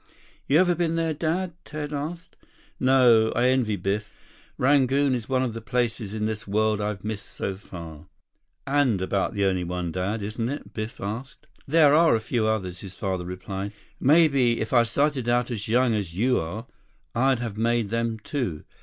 "You ever been there, Dad?" Ted asked. "No. I envy Biff. Rangoon is one of the places in this world I've missed so far." "And about the only one, Dad, isn't it?" Biff asked. "There are a few others," his father replied. "Maybe if I had started out as young as you are, I'd have made them, too.